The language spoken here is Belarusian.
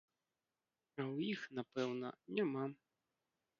А ў іх, напэўна, няма.